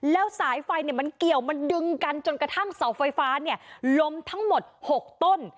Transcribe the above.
แล้วสายไฟมันเกี่ยวมันดึงกันจนกระทั่งเสาไฟฟ้าล้มทั้งหมด๖ต้น